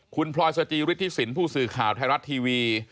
คุณพลอยสจิฤทธิสินผู้สื่อข่าวไทยรัฐทีวี